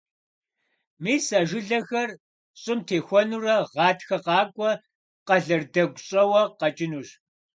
Мис а жылэхэр щӀым техуэнурэ гъатхэ къакӀуэ къэлэрдэгур щӀэуэ къэкӀынущ.